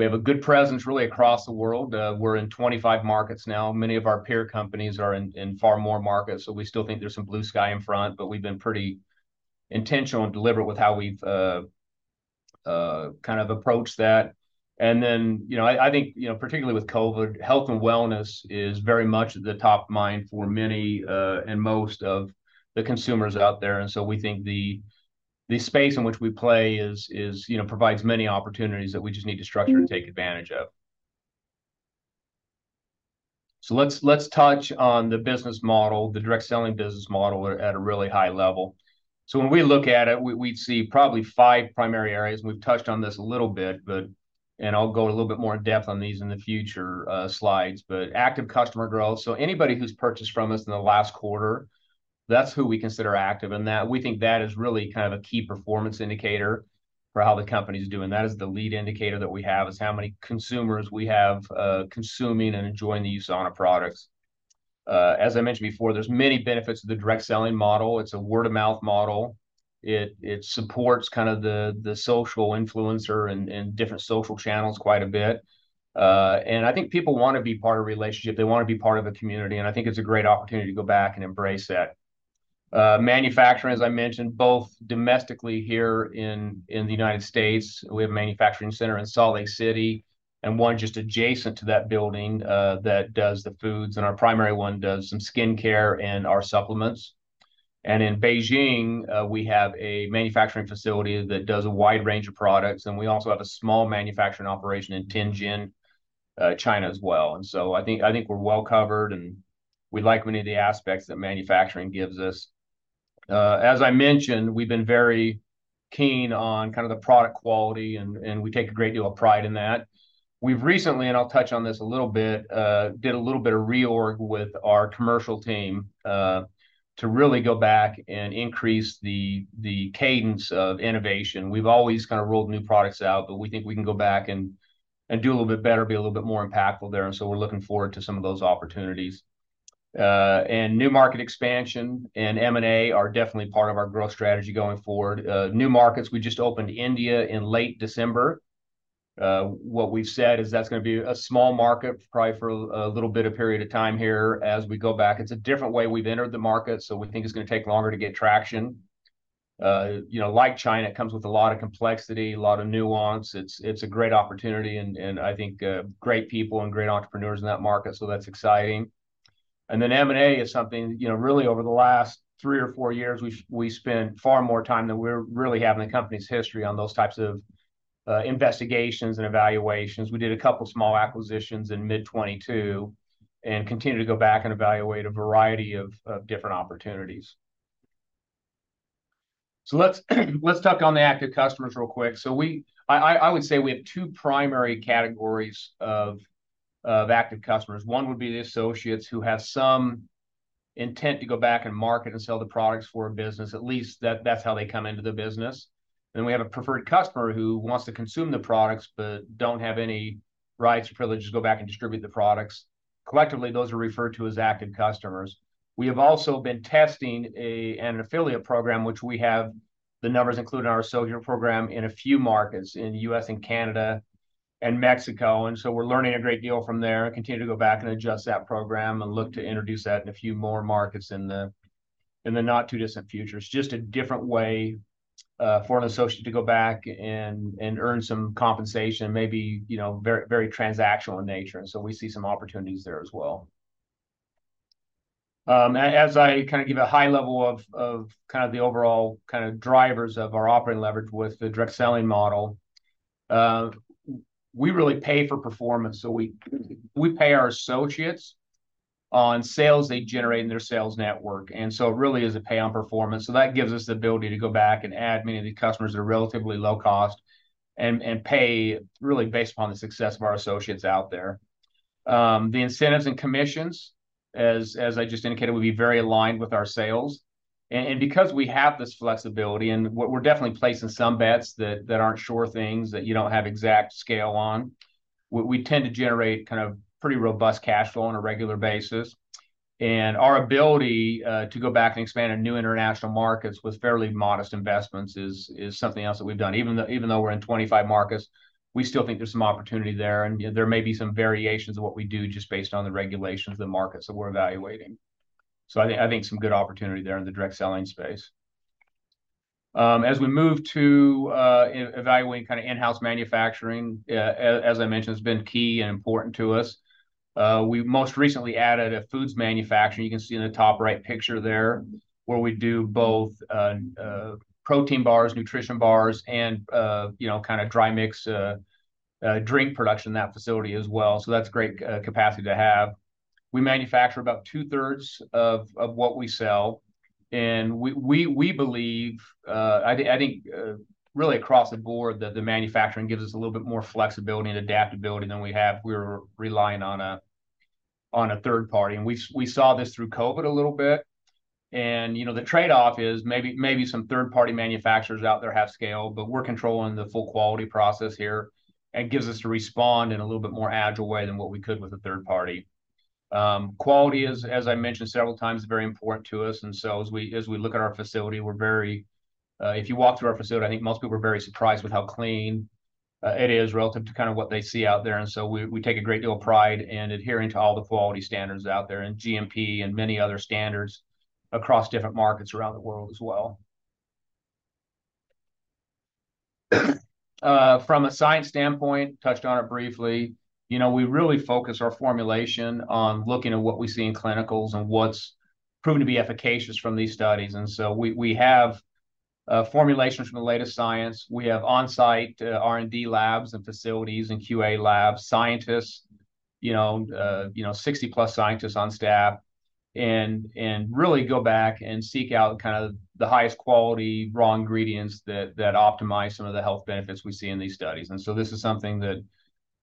We have a good presence really across the world. We're in 25 markets now. Many of our peer companies are in far more markets, so we still think there's some blue sky in front, but we've been pretty intentional and deliberate with how we've kind of approached that. And then, you know, I think, you know, particularly with COVID, health and wellness is very much at the top of mind for many and most of the consumers out there. And so we think the space in which we play provides many opportunities that we just need to structure and take advantage of. So let's touch on the business model, the direct selling business model at a really high level. So when we look at it, we'd see probably five primary areas, and we've touched on this a little bit, but I'll go a little bit more in depth on these in the future slides. But active customer growth, so anybody who's purchased from us in the last quarter, that's who we consider active. And we think that is really kind of a key performance indicator for how the company's doing. That is the lead indicator that we have is how many consumers we have consuming and enjoying the USANA products. As I mentioned before, there's many benefits to the direct selling model. It's a word-of-mouth model. It supports kind of the social influencer and different social channels quite a bit. And I think people want to be part of a relationship. They want to be part of a community. I think it's a great opportunity to go back and embrace that. Manufacturing, as I mentioned, both domestically here in the United States, we have a manufacturing center in Salt Lake City and one just adjacent to that building that does the foods. Our primary one does some skincare and our supplements. In Beijing, we have a manufacturing facility that does a wide range of products. We also have a small manufacturing operation in Tianjin, China as well. So I think we're well covered, and we like many of the aspects that manufacturing gives us. As I mentioned, we've been very keen on kind of the product quality, and we take a great deal of pride in that. We've recently, and I'll touch on this a little bit, did a little bit of reorg with our commercial team to really go back and increase the cadence of innovation. We've always kind of rolled new products out, but we think we can go back and do a little bit better, be a little bit more impactful there. And so we're looking forward to some of those opportunities. And new market expansion and M&A are definitely part of our growth strategy going forward. New markets, we just opened India in late December. What we've said is that's going to be a small market, probably for a little bit of period of time here as we go back. It's a different way we've entered the market, so we think it's going to take longer to get traction. Like China, it comes with a lot of complexity, a lot of nuance. It's a great opportunity, and I think great people and great entrepreneurs in that market, so that's exciting. Then M&A is something really over the last three or four years, we spend far more time than we're really having the company's history on those types of investigations and evaluations. We did a couple of small acquisitions in mid-2022 and continue to go back and evaluate a variety of different opportunities. So let's touch on the active customers real quick. So I would say we have two primary categories of active customers. One would be the associates who have some intent to go back and market and sell the products for a business. At least that's how they come into the business. And then we have a preferred customer who wants to consume the products but don't have any rights or privileges to go back and distribute the products. Collectively, those are referred to as active customers. We have also been testing an affiliate program, which we have the numbers included in our associate program in a few markets in the U.S. and Canada and Mexico. And so we're learning a great deal from there and continue to go back and adjust that program and look to introduce that in a few more markets in the not-too-distant future. It's just a different way for an associate to go back and earn some compensation, maybe very transactional in nature. And so we see some opportunities there as well. As I kind of give a high level of kind of the overall kind of drivers of our operating leverage with the direct selling model, we really pay for performance. So we pay our associates on sales they generate in their sales network. And so it really is a pay on performance. So that gives us the ability to go back and add many of the customers that are relatively low cost and pay really based upon the success of our associates out there. The incentives and commissions, as I just indicated, would be very aligned with our sales. And because we have this flexibility, and we're definitely placing some bets that aren't sure things that you don't have exact scale on, we tend to generate kind of pretty robust cash flow on a regular basis. And our ability to go back and expand in new international markets with fairly modest investments is something else that we've done. Even though we're in 25 markets, we still think there's some opportunity there. And there may be some variations of what we do just based on the regulations of the markets that we're evaluating. So I think some good opportunity there in the direct selling space. As we move to evaluating kind of in-house manufacturing, as I mentioned, it's been key and important to us. We most recently added a foods manufacturing. You can see in the top right picture there where we do both protein bars, nutrition bars, and kind of dry mix drink production in that facility as well. So that's a great capacity to have. We manufacture about two-thirds of what we sell. And we believe, I think really across the board, that the manufacturing gives us a little bit more flexibility and adaptability than we have if we were relying on a third party. And we saw this through COVID a little bit. And the trade-off is maybe some third-party manufacturers out there have scale, but we're controlling the full quality process here. It gives us to respond in a little bit more agile way than what we could with a third party. Quality, as I mentioned several times, is very important to us. And so as we look at our facility, we're very, if you walk through our facility, I think most people are very surprised with how clean it is relative to kind of what they see out there. And so we take a great deal of pride in adhering to all the quality standards out there and GMP and many other standards across different markets around the world as well. From a science standpoint (touched on it briefly), we really focus our formulation on looking at what we see in clinicals and what's proven to be efficacious from these studies. And so we have formulations from the latest science. We have on-site R&D labs and facilities and QA labs, scientists, 60+ scientists on staff, and really go back and seek out kind of the highest quality raw ingredients that optimize some of the health benefits we see in these studies. And so this is something that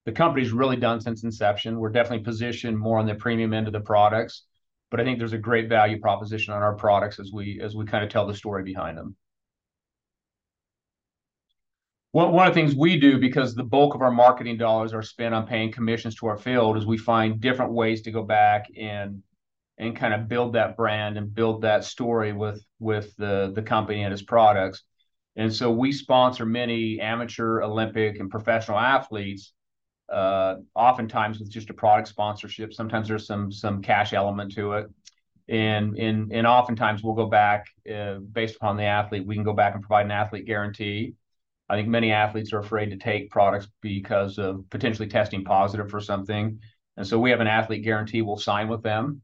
the company's really done since inception. We're definitely positioned more on the premium end of the products, but I think there's a great value proposition on our products as we kind of tell the story behind them. One of the things we do, because the bulk of our marketing dollars are spent on paying commissions to our field, is we find different ways to go back and kind of build that brand and build that story with the company and its products. And so we sponsor many amateur, Olympic, and professional athletes, oftentimes with just a product sponsorship. Sometimes there's some cash element to it. Oftentimes we'll go back based upon the athlete. We can go back and provide an athlete guarantee. I think many athletes are afraid to take products because of potentially testing positive for something. So we have an athlete guarantee we'll sign with them.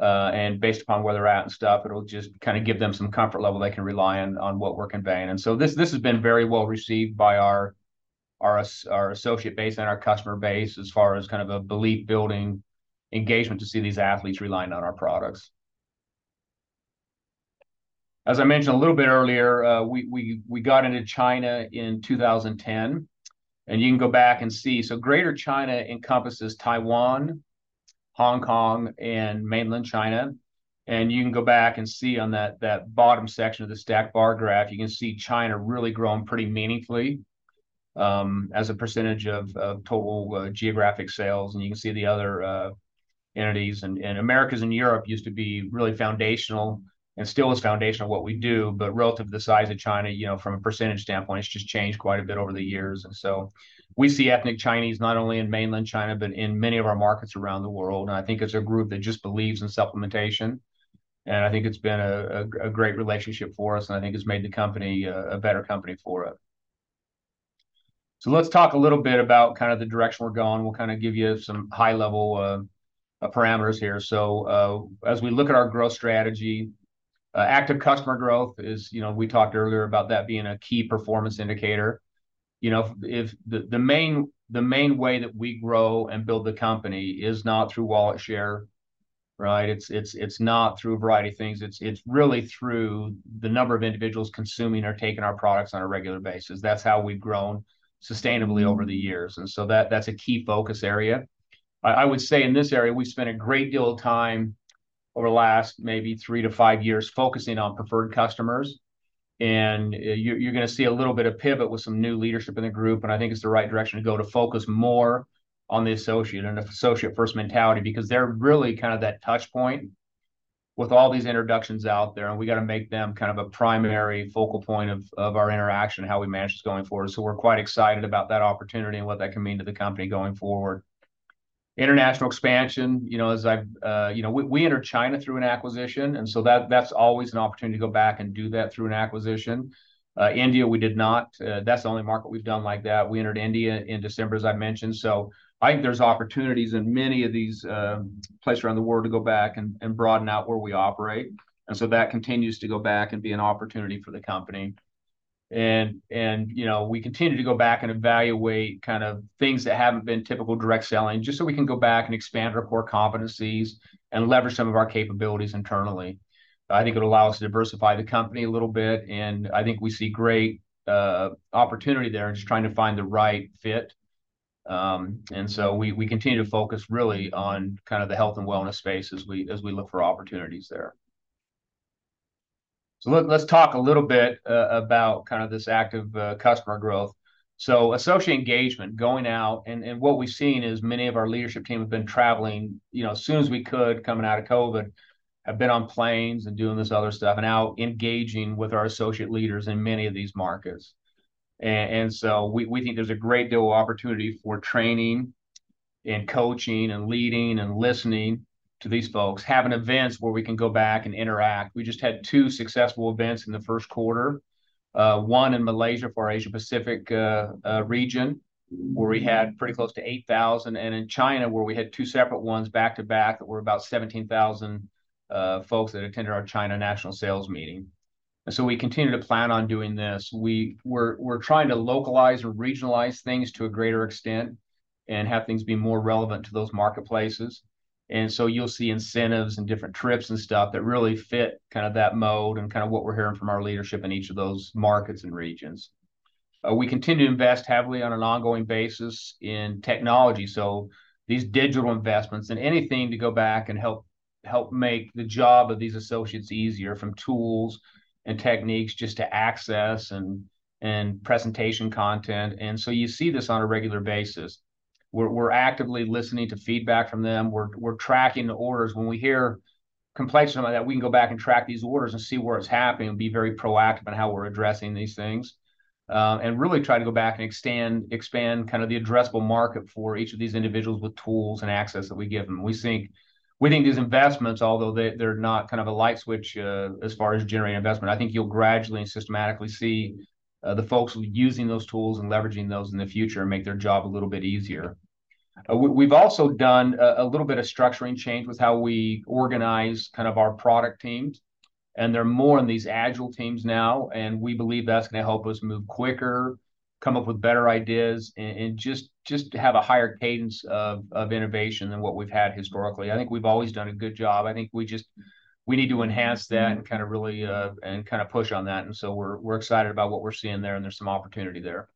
Based upon where they're at and stuff, it'll just kind of give them some comfort level they can rely on what we're conveying. So this has been very well received by our associate base and our customer base as far as kind of a belief-building engagement to see these athletes relying on our products. As I mentioned a little bit earlier, we got into China in 2010. You can go back and see. Greater China encompasses Taiwan, Hong Kong, and Mainland China. You can go back and see on that bottom section of the stacked bar graph. You can see China really growing pretty meaningfully as a percentage of total geographic sales. You can see the other entities. Americas and Europe used to be really foundational and still is foundational what we do. But relative to the size of China, from a percentage standpoint, it's just changed quite a bit over the years. So we see ethnic Chinese not only in Mainland China, but in many of our markets around the world. I think it's a group that just believes in supplementation. I think it's been a great relationship for us, and I think it's made the company a better company for us. Let's talk a little bit about kind of the direction we're going. We'll kind of give you some high-level parameters here. So as we look at our growth strategy, active customer growth is, we talked earlier about that being a key performance indicator. The main way that we grow and build the company is not through wallet share, right? It's not through a variety of things. It's really through the number of individuals consuming or taking our products on a regular basis. That's how we've grown sustainably over the years. And so that's a key focus area. I would say in this area, we spent a great deal of time over the last maybe three to five years focusing on preferred customers. And you're going to see a little bit of pivot with some new leadership in the group. And I think it's the right direction to go to focus more on the associate and associate-first mentality because they're really kind of that touchpoint with all these introductions out there. We got to make them kind of a primary focal point of our interaction and how we manage this going forward. We're quite excited about that opportunity and what that can mean to the company going forward. International expansion, as we entered China through an acquisition. That's always an opportunity to go back and do that through an acquisition. India, we did not. That's the only market we've done like that. We entered India in December, as I mentioned. I think there's opportunities in many of these places around the world to go back and broaden out where we operate. That continues to go back and be an opportunity for the company. We continue to go back and evaluate kind of things that haven't been typical direct selling just so we can go back and expand our core competencies and leverage some of our capabilities internally. I think it'll allow us to diversify the company a little bit. I think we see great opportunity there in just trying to find the right fit. We continue to focus really on kind of the health and wellness space as we look for opportunities there. Let's talk a little bit about kind of this active customer growth. Associate engagement, going out, and what we've seen is many of our leadership team have been traveling as soon as we could coming out of COVID, have been on planes and doing this other stuff, and now engaging with our associate leaders in many of these markets. We think there's a great deal of opportunity for training and coaching and leading and listening to these folks, having events where we can go back and interact. We just had two successful events in the first quarter, one in Malaysia for our Asia-Pacific region, where we had pretty close to 8,000. And in China, where we had two separate ones back to back that were about 17,000 folks that attended our China National Sales Meeting. We continue to plan on doing this. We're trying to localize and regionalize things to a greater extent and have things be more relevant to those marketplaces. You'll see incentives and different trips and stuff that really fit kind of that mode and kind of what we're hearing from our leadership in each of those markets and regions. We continue to invest heavily on an ongoing basis in technology. So these digital investments and anything to go back and help make the job of these associates easier from tools and techniques just to access and presentation content. And so you see this on a regular basis. We're actively listening to feedback from them. We're tracking the orders. When we hear complaints or something like that, we can go back and track these orders and see where it's happening and be very proactive in how we're addressing these things and really try to go back and expand kind of the addressable market for each of these individuals with tools and access that we give them. We think these investments, although they're not kind of a light switch as far as generating investment, I think you'll gradually and systematically see the folks using those tools and leveraging those in the future and make their job a little bit easier. We've also done a little bit of structuring change with how we organize kind of our product teams. They're more in these agile teams now. We believe that's going to help us move quicker, come up with better ideas, and just have a higher cadence of innovation than what we've had historically. I think we've always done a good job. I think we just need to enhance that and kind of really and kind of push on that. So we're excited about what we're seeing there, and there's some opportunity there.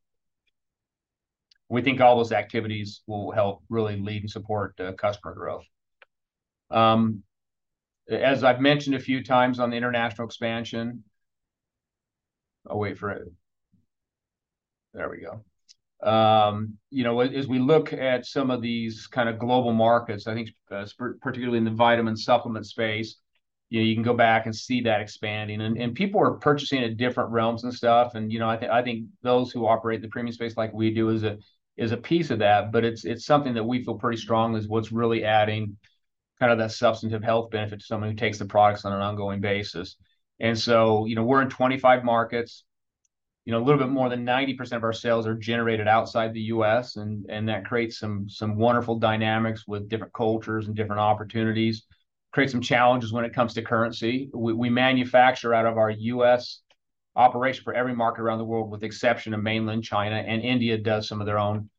We think all those activities will help really lead and support customer growth. As I've mentioned a few times on the international expansion. As we look at some of these kind of global markets, I think particularly in the vitamin supplement space, you can go back and see that expanding. People are purchasing at different realms and stuff. I think those who operate in the premium space like we do is a piece of that. But it's something that we feel pretty strongly is what's really adding kind of that substantive health benefit to someone who takes the products on an ongoing basis. So we're in 25 markets. A little bit more than 90% of our sales are generated outside the U.S. That creates some wonderful dynamics with different cultures and different opportunities, creates some challenges when it comes to currency. We manufacture out of our U.S. operation for every market around the world, with the exception of Mainland China. India does some of their own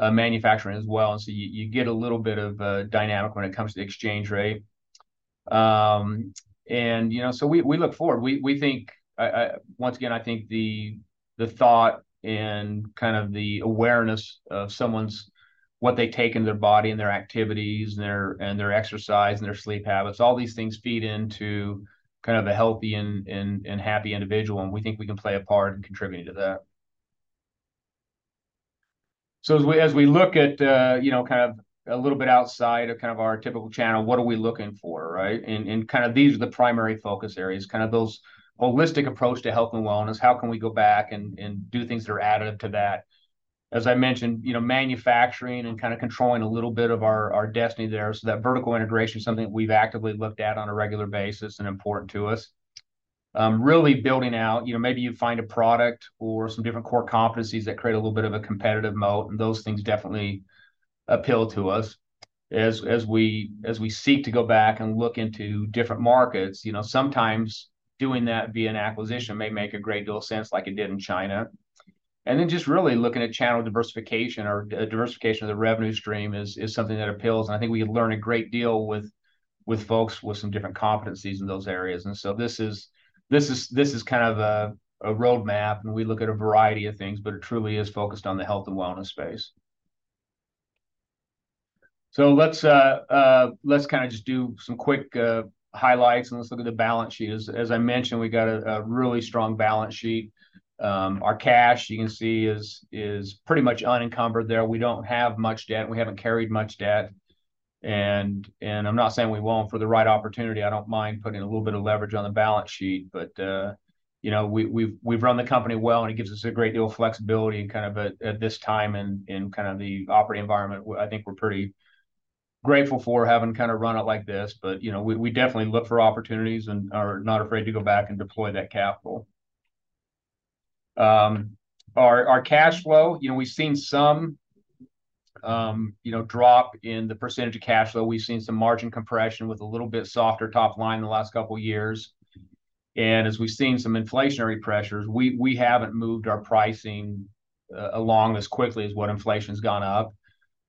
manufacturing as well. You get a little bit of dynamic when it comes to the exchange rate. We look forward. Once again, I think the thought and kind of the awareness of what they take in their body and their activities and their exercise and their sleep habits, all these things feed into kind of a healthy and happy individual. We think we can play a part in contributing to that. As we look at kind of a little bit outside of kind of our typical channel, what are we looking for, right? These are the primary focus areas, kind of those holistic approach to health and wellness. How can we go back and do things that are additive to that? As I mentioned, manufacturing and kind of controlling a little bit of our destiny there. So that vertical integration is something that we've actively looked at on a regular basis and important to us. Really building out, maybe you find a product or some different core competencies that create a little bit of a competitive moat. And those things definitely appeal to us. As we seek to go back and look into different markets, sometimes doing that via an acquisition may make a great deal of sense like it did in China. And then just really looking at channel diversification or diversification of the revenue stream is something that appeals. And I think we learn a great deal with folks with some different competencies in those areas. And so this is kind of a roadmap. We look at a variety of things, but it truly is focused on the health and wellness space. Let's kind of just do some quick highlights, and let's look at the balance sheet. As I mentioned, we got a really strong balance sheet. Our cash, you can see, is pretty much unencumbered there. We don't have much debt. We haven't carried much debt. And I'm not saying we won't for the right opportunity. I don't mind putting a little bit of leverage on the balance sheet. But we've run the company well, and it gives us a great deal of flexibility kind of at this time in kind of the operating environment. I think we're pretty grateful for having kind of run it like this. But we definitely look for opportunities and are not afraid to go back and deploy that capital. Our cash flow, we've seen some drop in the percentage of cash flow. We've seen some margin compression with a little bit softer top line in the last couple of years. As we've seen some inflationary pressures, we haven't moved our pricing along as quickly as what inflation's gone up.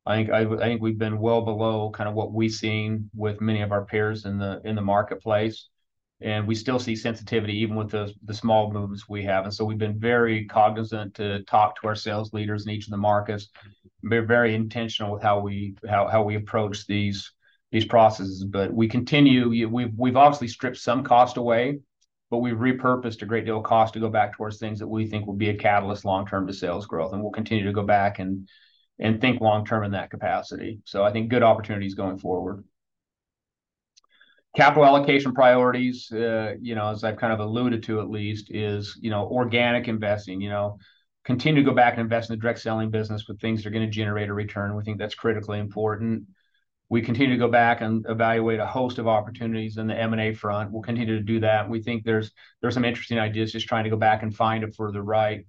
I think we've been well below kind of what we've seen with many of our peers in the marketplace. We still see sensitivity even with the small movements we have. So we've been very cognizant to talk to our sales leaders in each of the markets. We're very intentional with how we approach these processes. We continue. We've obviously stripped some cost away, but we've repurposed a great deal of cost to go back towards things that we think will be a catalyst long-term to sales growth. And we'll continue to go back and think long-term in that capacity. So I think good opportunities going forward. Capital allocation priorities, as I've kind of alluded to at least, is organic investing. Continue to go back and invest in the direct selling business with things that are going to generate a return. We think that's critically important. We continue to go back and evaluate a host of opportunities in the M&A front. We'll continue to do that. We think there's some interesting ideas just trying to go back and find it for the right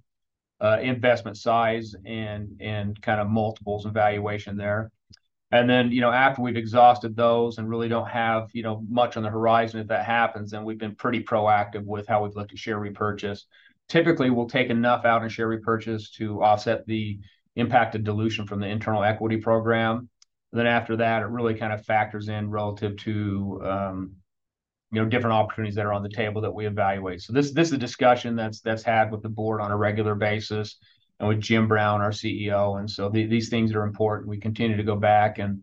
investment size and kind of multiples and valuation there. And then after we've exhausted those and really don't have much on the horizon if that happens, then we've been pretty proactive with how we've looked at share repurchase. Typically, we'll take enough out in share repurchase to offset the impact of dilution from the internal equity program. Then after that, it really kind of factors in relative to different opportunities that are on the table that we evaluate. So this is a discussion that's had with the board on a regular basis and with Jim Brown, our CEO. And so these things are important. We continue to go back and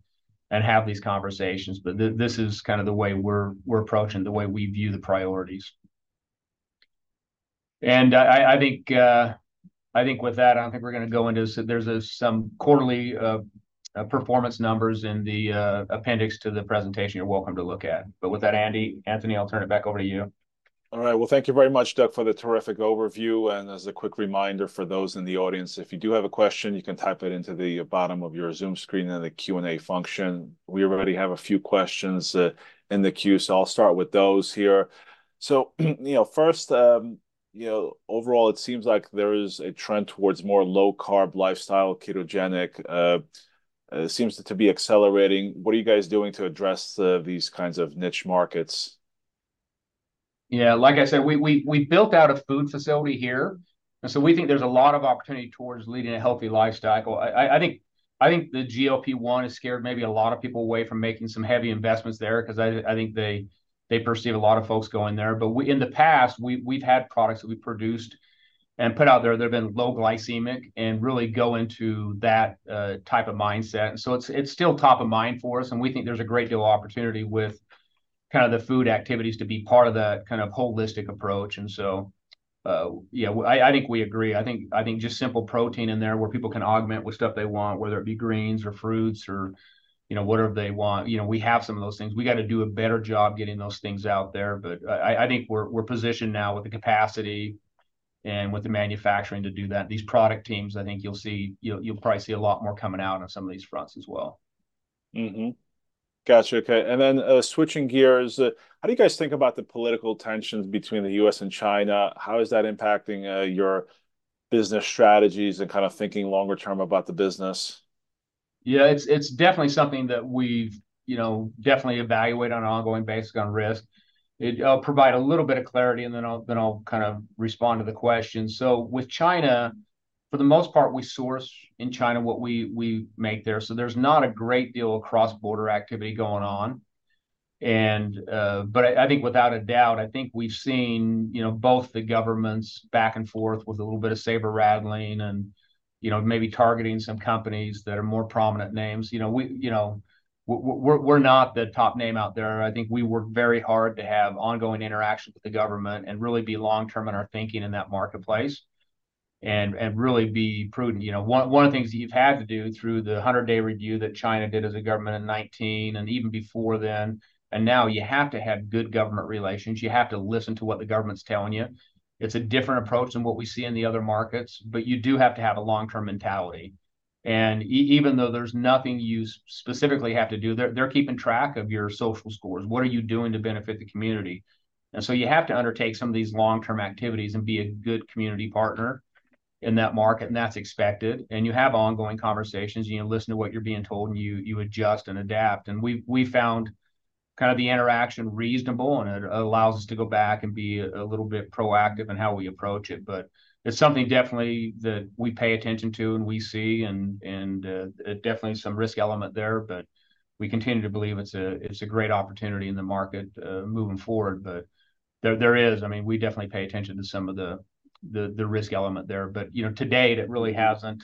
have these conversations. But this is kind of the way we're approaching the way we view the priorities. And I think with that, I don't think we're going to go into this. There's some quarterly performance numbers in the appendix to the presentation you're welcome to look at. But with that, Andy, Anthony, I'll turn it back over to you. All right. Well, thank you very much, Doug, for the terrific overview. As a quick reminder for those in the audience, if you do have a question, you can type it into the bottom of your Zoom screen in the Q&A function. We already have a few questions in the queue. I'll start with those here. First, overall, it seems like there is a trend towards more low-carb lifestyle, ketogenic. It seems to be accelerating. What are you guys doing to address these kinds of niche markets? Yeah. Like I said, we built out a food facility here. And so we think there's a lot of opportunity towards leading a healthy lifestyle. I think the GLP-1 has scared maybe a lot of people away from making some heavy investments there because I think they perceive a lot of folks going there. But in the past, we've had products that we've produced and put out there that have been low glycemic and really go into that type of mindset. And so it's still top of mind for us. And we think there's a great deal of opportunity with kind of the food activities to be part of that kind of holistic approach. And so I think we agree. I think just simple protein in there where people can augment with stuff they want, whether it be greens or fruits or whatever they want. We have some of those things. We got to do a better job getting those things out there. But I think we're positioned now with the capacity and with the manufacturing to do that. These product teams, I think you'll probably see a lot more coming out on some of these fronts as well. Gotcha. Okay. Then switching gears, how do you guys think about the political tensions between the U.S. and China? How is that impacting your business strategies and kind of thinking longer term about the business? Yeah. It's definitely something that we've definitely evaluated on an ongoing basis on risk. It'll provide a little bit of clarity, and then I'll kind of respond to the question. So with China, for the most part, we source in China what we make there. So there's not a great deal of cross-border activity going on. But I think without a doubt, I think we've seen both the governments back and forth with a little bit of saber rattling and maybe targeting some companies that are more prominent names. We're not the top name out there. I think we work very hard to have ongoing interaction with the government and really be long-term in our thinking in that marketplace and really be prudent. One of the things that you've had to do through the 100-day review that China did as a government in 2019 and even before then, and now you have to have good government relations. You have to listen to what the government's telling you. It's a different approach than what we see in the other markets. But you do have to have a long-term mentality. And even though there's nothing you specifically have to do, they're keeping track of your social scores. What are you doing to benefit the community? And so you have to undertake some of these long-term activities and be a good community partner in that market. And that's expected. And you have ongoing conversations. You listen to what you're being told, and you adjust and adapt. We found kind of the interaction reasonable, and it allows us to go back and be a little bit proactive in how we approach it. It's something definitely that we pay attention to and we see, and definitely some risk element there. We continue to believe it's a great opportunity in the market moving forward. There is. I mean, we definitely pay attention to some of the risk element there. To date, it really hasn't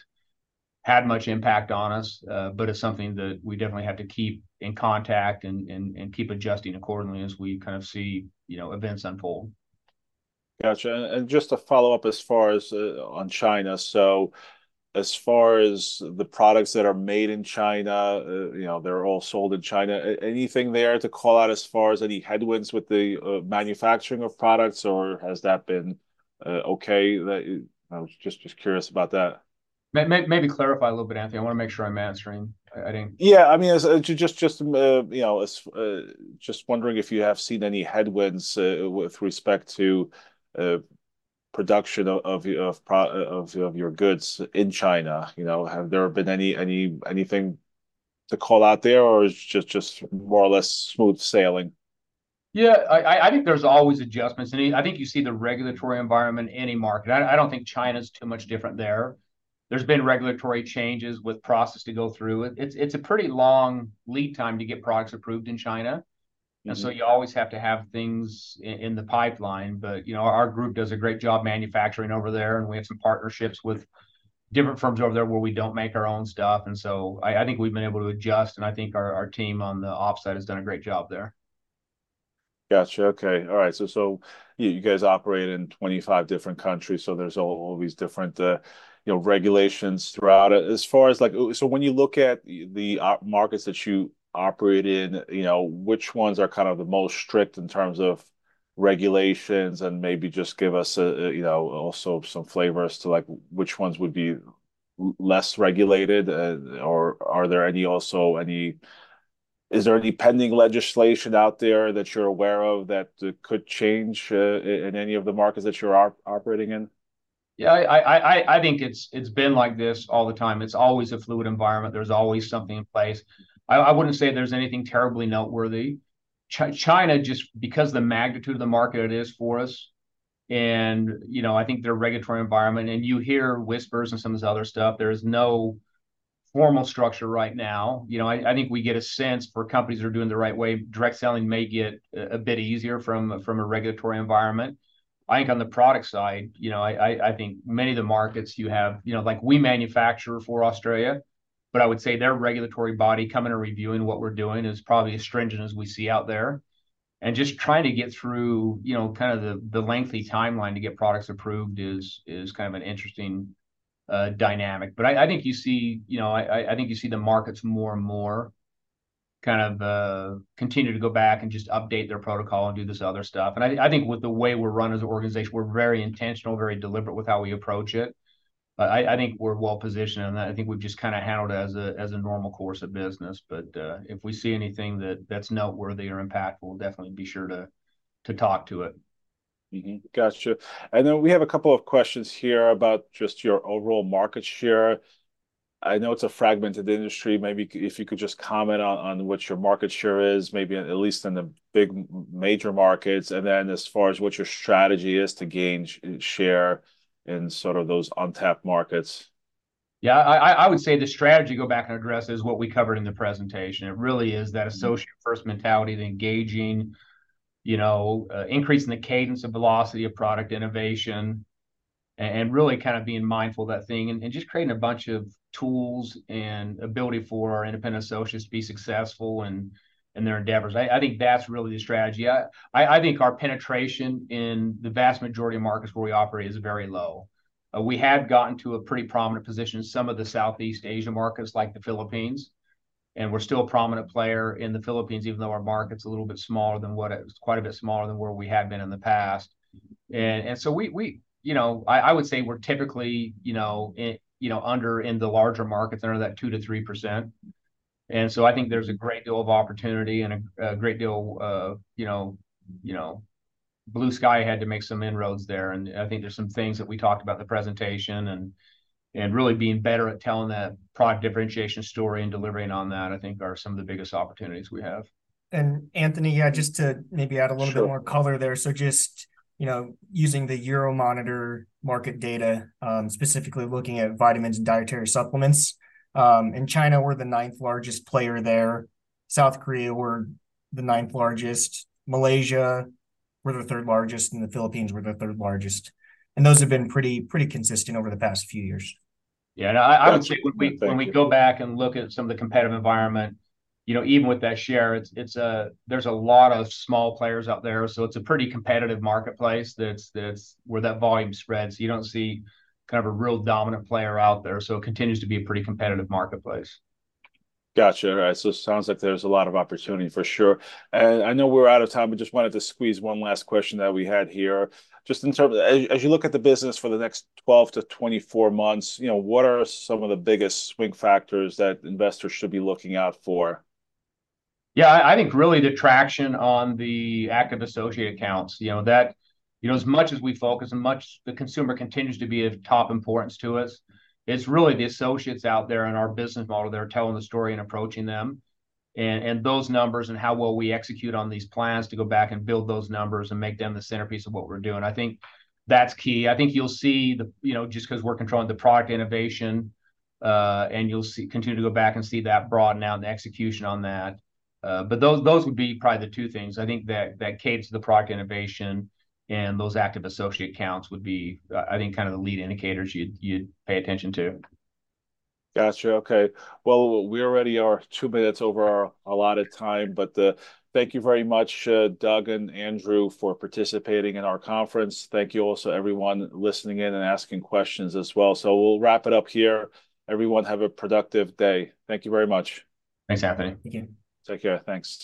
had much impact on us, but it's something that we definitely have to keep in contact and keep adjusting accordingly as we kind of see events unfold. Gotcha. Just to follow up as far as on China. As far as the products that are made in China, they're all sold in China. Anything there to call out as far as any headwinds with the manufacturing of products, or has that been okay? I was just curious about that. Maybe clarify a little bit, Anthony. I want to make sure I'm answering. I didn't. Yeah. I mean, just wondering if you have seen any headwinds with respect to production of your goods in China. Have there been anything to call out there, or it's just more or less smooth sailing? Yeah. I think there's always adjustments. And I think you see the regulatory environment in any market. I don't think China's too much different there. There's been regulatory changes with process to go through. It's a pretty long lead time to get products approved in China. And so you always have to have things in the pipeline. But our group does a great job manufacturing over there. And we have some partnerships with different firms over there where we don't make our own stuff. And so I think we've been able to adjust. And I think our team on the ops side has done a great job there. Gotcha. Okay. All right. So you guys operate in 25 different countries. So there's all these different regulations throughout it. So when you look at the markets that you operate in, which ones are kind of the most strict in terms of regulations? And maybe just give us also some flavors to which ones would be less regulated. Or are there any? Also, is there any pending legislation out there that you're aware of that could change in any of the markets that you're operating in? Yeah. I think it's been like this all the time. It's always a fluid environment. There's always something in place. I wouldn't say there's anything terribly noteworthy. China, just because of the magnitude of the market it is for us, and I think their regulatory environment, and you hear whispers and some of this other stuff, there is no formal structure right now. I think we get a sense for companies that are doing the right way. Direct selling may get a bit easier from a regulatory environment. I think on the product side, I think many of the markets you have we manufacture for Australia, but I would say their regulatory body coming and reviewing what we're doing is probably as stringent as we see out there. Just trying to get through kind of the lengthy timeline to get products approved is kind of an interesting dynamic. But I think you see the markets more and more kind of continue to go back and just update their protocol and do this other stuff. And I think with the way we're run as an organization, we're very intentional, very deliberate with how we approach it. But I think we're well-positioned. And I think we've just kind of handled it as a normal course of business. But if we see anything that's noteworthy or impactful, we'll definitely be sure to talk to it. Gotcha. And then we have a couple of questions here about just your overall market share. I know it's a fragmented industry. Maybe if you could just comment on what your market share is, maybe at least in the big major markets. And then as far as what your strategy is to gain share in sort of those untapped markets? Yeah. I would say the strategy to go back and address is what we covered in the presentation. It really is that associate-first mentality, the engaging, increasing the cadence of velocity of product innovation, and really kind of being mindful of that thing and just creating a bunch of tools and ability for our independent associates to be successful in their endeavors. I think that's really the strategy. I think our penetration in the vast majority of markets where we operate is very low. We have gotten to a pretty prominent position in some of the Southeast Asia markets like the Philippines. We're still a prominent player in the Philippines, even though our market's a little bit smaller than what it's quite a bit smaller than where we have been in the past. I would say we're typically under, in the larger markets, under that 2%-3%. I think there's a great deal of opportunity and a great deal of blue sky ahead to make some inroads there. I think there's some things that we talked about in the presentation and really being better at telling that product differentiation story and delivering on that, I think, are some of the biggest opportunities we have. Anthony, yeah, just to maybe add a little bit more color there. So just using the Euromonitor market data, specifically looking at vitamins and dietary supplements. In China, we're the ninth largest player there. South Korea were the ninth largest. Malaysia were the third largest, and the Philippines were the third largest. And those have been pretty consistent over the past few years. Yeah. I would say when we go back and look at some of the competitive environment, even with that share, there's a lot of small players out there. So it's a pretty competitive marketplace where that volume spreads. You don't see kind of a real dominant player out there. So it continues to be a pretty competitive marketplace. Gotcha. All right. So it sounds like there's a lot of opportunity for sure. And I know we're out of time, but just wanted to squeeze one last question that we had here. Just in terms of as you look at the business for the next 12-24 months, what are some of the biggest swing factors that investors should be looking out for? Yeah. I think really the traction on the active associate accounts. As much as we focus and much the consumer continues to be of top importance to us, it's really the associates out there in our business model that are telling the story and approaching them. And those numbers and how well we execute on these plans to go back and build those numbers and make them the centerpiece of what we're doing. I think that's key. I think you'll see just because we're controlling the product innovation, and you'll continue to go back and see that broaden out in the execution on that. But those would be probably the two things. I think that cadence of the product innovation and those active associate accounts would be, I think, kind of the lead indicators you'd pay attention to. Gotcha. Okay. Well, we already are two minutes over our allotted time. But thank you very much, Doug and Andrew, for participating in our conference. Thank you also, everyone, listening in and asking questions as well. So we'll wrap it up here. Everyone, have a productive day. Thank you very much. Thanks, Anthony. Thank you. Take care. Thanks.